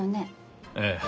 ええ。